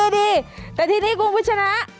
ดีแต่ที่นี่คุณคุณชนะ